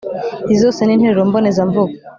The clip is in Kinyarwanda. Izi zose ni interuro mbonezamvugo